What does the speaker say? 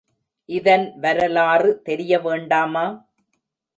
இதன் வரலாறு தெரியவேண்டாமா?